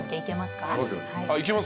はい。